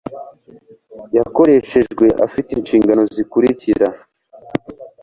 yakoreshejwe afite inshingano zikurikira